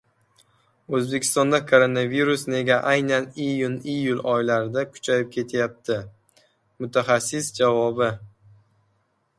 O‘zbekistonda koronavirus nega aynan iyun-iyul oylarida kuchayib ketyapti? Mutaxassis javobi